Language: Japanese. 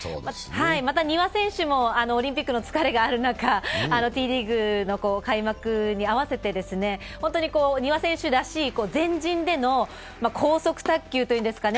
また、丹羽選手もオリンピックの疲れがある中、Ｔリーグの開幕に合わせて丹羽選手らしい前陣での高速卓球というんですかね